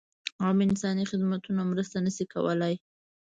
عام انساني خدمتونه مرسته نه شي کولای.